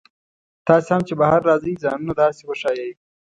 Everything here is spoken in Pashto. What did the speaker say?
تاسي هم چې بهر راځئ ځانونه داسې وښایئ.